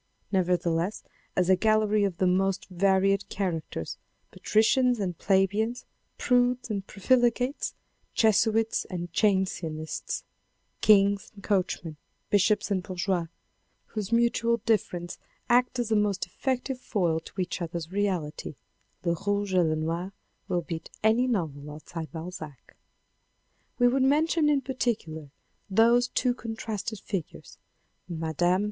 Nevertheless, as a gallery of the most varied characters, patricians and plebeians, prudes and profligates, Jesuits and Jansenists, Kings and coachmen, bishops and bourgeois, whose mutual difference acts as a most effective foil to each other's reality, Le Rouge et Le Noir will beat any novel outside Balzac. We would mention in particular those two contrasted figures, Mme.